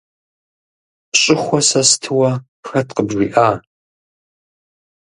Щӏыхуэ сэ стыуэ хэт къыбжиӏа?